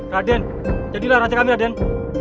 raden jadilah nanti kami raden